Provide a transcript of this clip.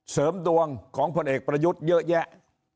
เสริมดวงของพลเอกประยุทธ์เยอะแยะ